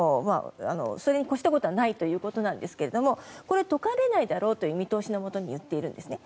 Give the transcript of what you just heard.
それに越したことはないということなんですけれども解かれないだろうという見通しのもと言っているんですね。